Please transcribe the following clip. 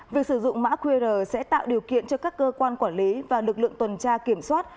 việc sử dụng mã qr sẽ tạo điều kiện cho các cơ quan quản lý và lực lượng tuần tra kiểm soát